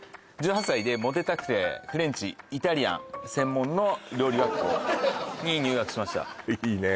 １８歳でモテたくてフレンチイタリアン専門の料理学校に入学しましたいいね